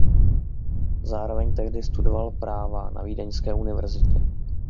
Zároveň tehdy studoval práva na Vídeňské univerzitě.